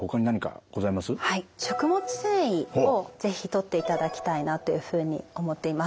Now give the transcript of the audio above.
食物繊維を是非とっていただきたいなというふうに思っています。